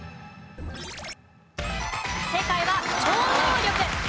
正解は超能力。